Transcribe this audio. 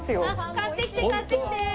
買ってきて買ってきて！